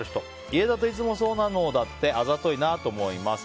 家だといつもそうなのー、だって。あざといなと思います。